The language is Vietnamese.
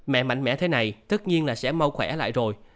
mẹ mạnh mẽ thế này tất nhiên là sẽ mau khỏe lại rồi